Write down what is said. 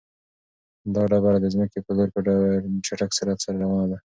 دا ډبره د ځمکې په لور په ډېر چټک سرعت سره روانه ده.